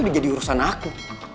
udah jadi urusan aku